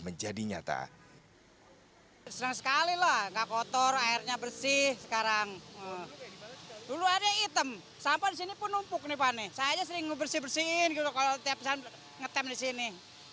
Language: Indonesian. dulu ada yang hitam sampah disini pun umpuk nih pak saya aja sering bersih bersihin kalau tiap saat ngetem disini